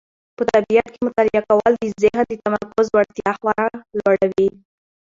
په طبیعت کې مطالعه کول د ذهن د تمرکز وړتیا خورا لوړوي.